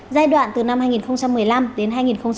giai đoạn từ năm hai nghìn một mươi năm đến hai nghìn hai mươi